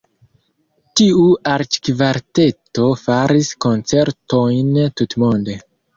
Tiu arĉkvarteto faris koncertojn tutmonde.